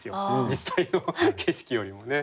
実際の景色よりもね。